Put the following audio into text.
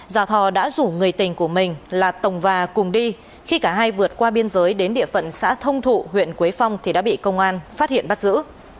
già thò đã rủ người tình của mình là tổng và cùng đi khi cả hai vượt qua biên giới đến địa phận xã thông thụ huyện quế phong thì đã bị công an phát hiện bắt giữ